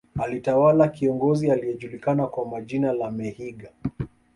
Alitawala kiongozi aliyejulikana kwa jina la Mehinga